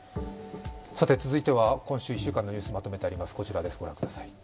続いては、今週１週間のニュース、まとめてあります。